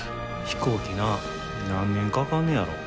飛行機な何年かかんねやろ。